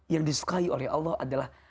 yang disukai oleh allah adalah